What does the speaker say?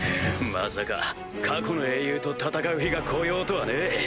まさか過去の英雄と戦う日が来ようとはね。